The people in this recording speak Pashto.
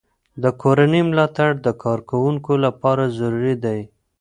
د کورنۍ ملاتړ د کارکوونکو لپاره ضروري دی.